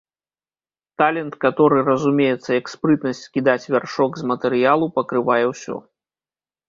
Талент, каторы разумеецца як спрытнасць скідаць вяршок з матэрыялу, пакрывае ўсё.